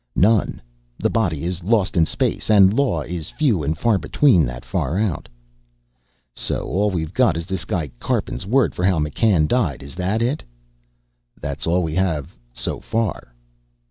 "None. The body is lost in space. And law is few and far between that far out." "So all we've got is this guy Karpin's word for how McCann died, is that it?" "That's all we have. So far."